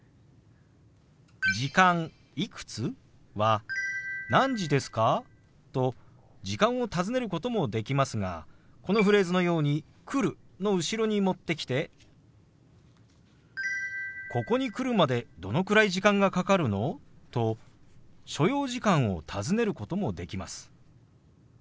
「時間いくつ？」は「何時ですか？」と時間を尋ねることもできますがこのフレーズのように「来る」の後ろに持ってきて「ここに来るまでどのくらい時間がかかるの？」と所要時間を尋ねることもできます。